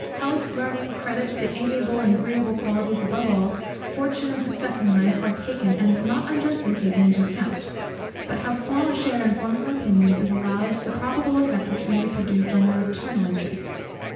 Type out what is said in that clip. Health, learning, credit, the amiable and agreeable qualities, above all, fortune and success in life, are taken, and not unjustly taken, into the account; but how small a share in forming our opinions is allowed to the probable effect which may be produced on their eternal interests!